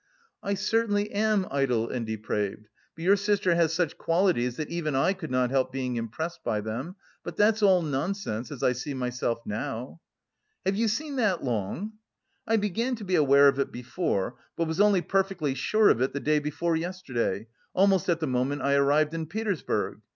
"I certainly am idle and depraved, but your sister has such qualities that even I could not help being impressed by them. But that's all nonsense, as I see myself now." "Have you seen that long?" "I began to be aware of it before, but was only perfectly sure of it the day before yesterday, almost at the moment I arrived in Petersburg.